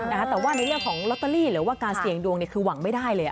แต่ว่าในเรื่องของลอตเตอรี่หรือว่าการเสี่ยงดวงเนี่ยคือหวังไม่ได้เลย